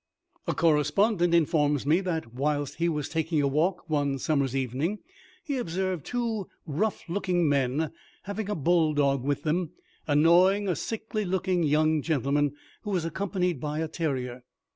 A correspondent informs me, that whilst he was taking a walk one summer's evening, he observed two rough looking men, having a bull dog with them, annoying a sickly looking young gentleman, who was accompanied by a terrier.